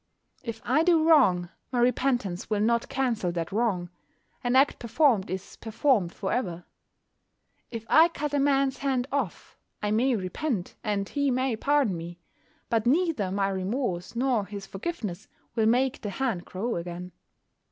If I do wrong, my repentance will not cancel that wrong. An act performed is performed for ever. If I cut a man's hand off, I may repent, and he may pardon me. But neither my remorse nor his forgiveness will make the hand grow again.